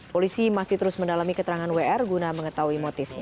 polisi masih terus mendalami keterangan wr guna mengetahui motifnya